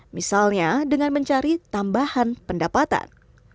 misalnya dengan mencari tambahan pendapatan